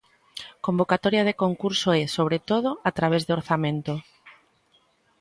Convocatoria de concurso e, sobre todo, a través de orzamento.